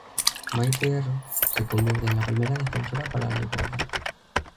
Maite Erro se convierte en la primera Defensora para la Igualdad.